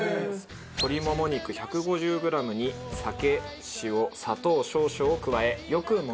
鶏もも肉１５０グラムに酒塩砂糖少々を加えよくもみます。